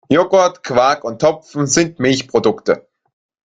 Joghurt, Quark und Topfen sind Milchprodukte.